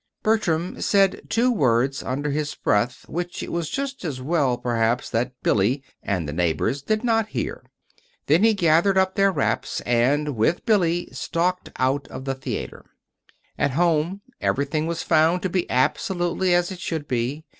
Bertram said two words under his breath which it was just as well, perhaps, that Billy and the neighbors did not hear; then he gathered up their wraps and, with Billy, stalked out of the theater. At home everything was found to be absolutely as it should be.